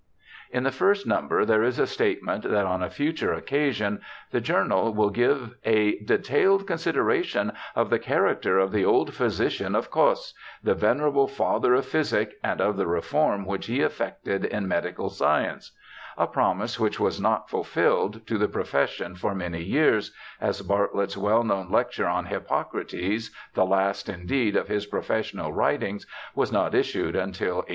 In the first number there is a statement that on a future occasion the Journal will give a 'detailed con sideration of the character of the old physician of Cos — the venerable father of physic, and of the reform which he effected in medical science', a promise which was not fulfilled to the profession for many years, as Bart lett's well known lecture on Hippocrates, the last, indeed, of his professional writings, was not issued until 1852.